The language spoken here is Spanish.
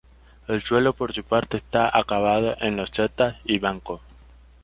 El suelo por su parte está acabado en losetas y bancos.